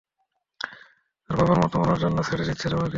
আর বাবার মতো মরার জন্য ছেড়ে দিচ্ছে তোমাকে।